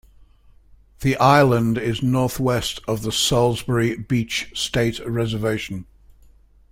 The island is northwest of the Salisbury Beach State Reservation.